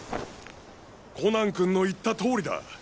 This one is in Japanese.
コナン君の言った通りだ！